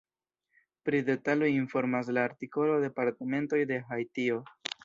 Pri detaloj informas la artikolo departementoj de Haitio.